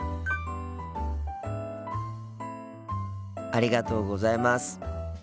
ありがとうございます。